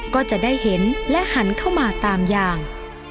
ก็จะได้เห็นและหันเข้ามาตามอย่าง